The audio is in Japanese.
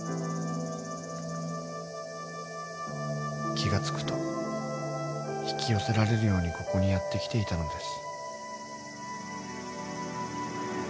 ［気が付くと引き寄せられるようにここにやって来ていたのです］